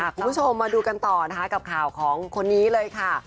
คุณผู้ชมมาดูกันต่อนะคะกับข่าวของคนนี้เลยค่ะ